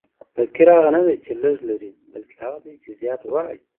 فقیر هغه نه دئ، چي لږ لري؛ بلکي هغه دئ، چي زیات غواړي.